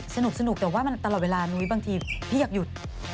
สนุกแต่ว่ามันตลอดเวลานุ้ยบางทีพี่อยากหยุด